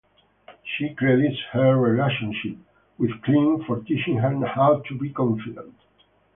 She credits her relationship with Klim for teaching her how to be confident.